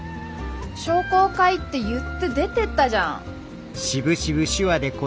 商工会って言って出てったじゃん。